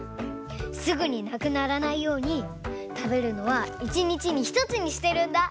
すぐになくならないようにたべるのは１にちに１つにしてるんだ！